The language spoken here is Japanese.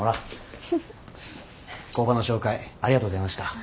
工場の紹介ありがとうございました。